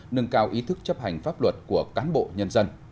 nâng cao ý thức chấp hành pháp luật của cán bộ nhân dân